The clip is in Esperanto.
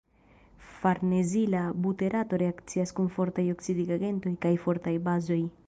Farnezila buterato reakcias kun fortaj oksidigagentoj kaj fortaj bazoj.